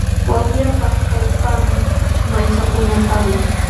Wawyapa kallpanqa manchakunapaqmi.